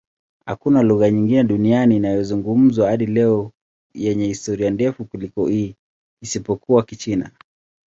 Hakuna lugha nyingine duniani inayozungumzwa hadi leo yenye historia ndefu kuliko hii, isipokuwa Kichina.